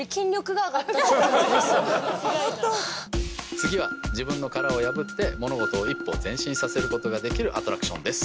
次は自分の殻を破って物事を一歩前進させることができるアトラクションです。